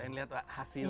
pengen lihat hasil